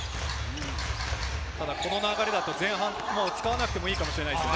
この流れだと前半使わなくてもいいかもしれませんね。